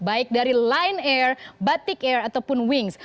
baik dari line air batik air ataupun wings